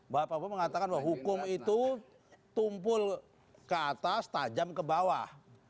bapak bapak mengatakan bahwa hukum itu tumpul ke atas tajam ke bawah